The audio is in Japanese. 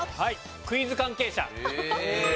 クイズ関係者。